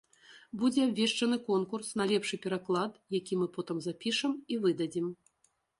Будзе абвешчаны конкурс на лепшы пераклад, які мы потым запішам і выдадзім.